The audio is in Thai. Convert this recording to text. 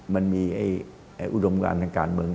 มันมีอุดมการทางการเมือง